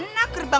lo yang pedulikan